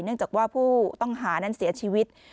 เนื่องจากว่าผู้ต้องหานั้นเสียชีวิต